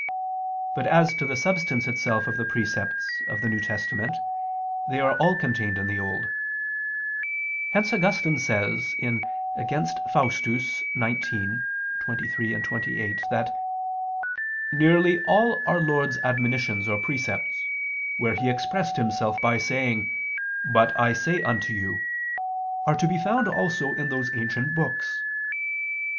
But as to the substance itself of the precepts of the New Testament, they are all contained in the Old. Hence Augustine says (Contra Faust. xix, 23, 28) that "nearly all Our Lord's admonitions or precepts, where He expressed Himself by saying: 'But I say unto you,' are to be found also in those ancient books.